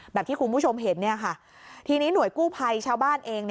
แบบที่คุณผู้ชมเห็นทีนี้หน่วยกู้ภัยชาวบ้านเอง